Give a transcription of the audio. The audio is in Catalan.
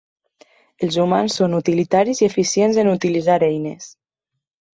Els humans són utilitaris i eficients en utilitzar eines.